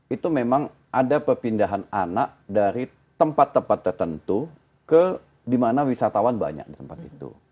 itu memang ada pemindahan anak dari tempat tempat tertentu ke di mana wisatawan banyak di tempat itu